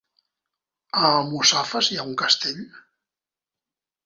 A Almussafes hi ha un castell?